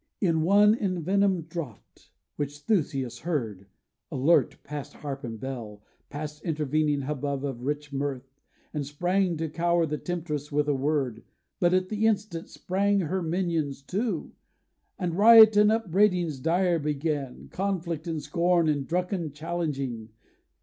in one envenomed draught: Which Theseus heard, alert, past harp and bell, Past intervening hubbub of rich mirth, And sprang to cower the temptress with a word. But at the instant, sprang her minions too, And riot and upbraidings dire began, Conflict, and scorn, and drunken challenging.